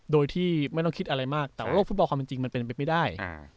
โดยที่ไม่ต้องคิดอะไรมากแต่ว่าโลกฟุตบอลความเป็นจริงมันเป็นไปไม่ได้